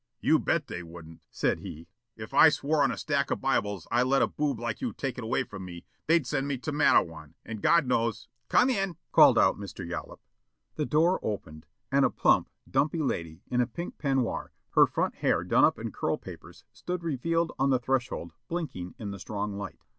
"You bet they wouldn't," said he. "If I swore on a stack of bibles I let a boob like you take it away from me, they'd send me to Matteawan, and God knows, " "Come in!" called out Mr. Yollop. The door opened and a plump, dumpy lady in a pink peignoir, her front hair done up in curl papers stood revealed on the threshold blinking in the strong light.